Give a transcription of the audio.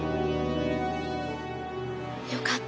よかった。